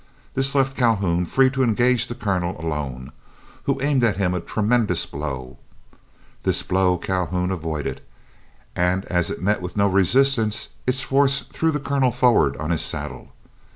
This left Calhoun free to engage the Colonel alone, who aimed at him a tremendous blow. This blow Calhoun avoided, and as it met with no resistance, its force threw the Colonel forward on his saddle.